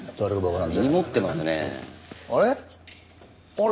あれ？